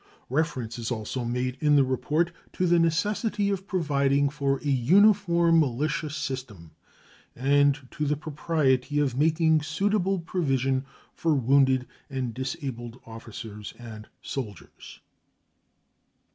Reference is also made in the report to the necessity of providing for a uniform militia system and to the propriety of making suitable provision for wounded and disabled officers and soldiers.